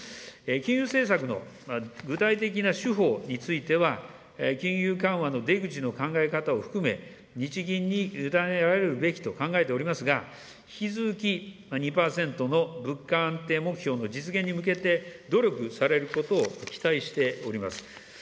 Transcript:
金融政策の具体的な手法については、金融緩和の出口の考え方を含め、日銀に委ねられるべきと考えておりますが、引き続き、２％の物価安定目標の実現に向けて、努力されることを期待しております。